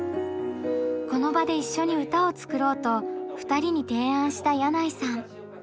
この場で一緒に歌を作ろうと２人に提案した箭内さん。